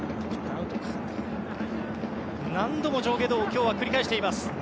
何度も上下動を今日は繰り返しています。